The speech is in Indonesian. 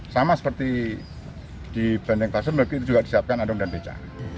sama seperti di bandeng pasir nanti juga disiapkan andong dan beca